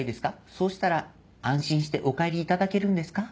そうしたら安心してお帰りいただけるんですか？